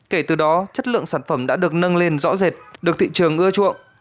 kể từ đó chất lượng sản phẩm đã được nâng lên rõ rệt được thị trường ưa chuộng